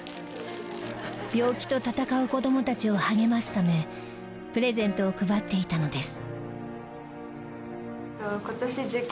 病気と闘う子供たちを励ますためプレゼントを配っていたのです。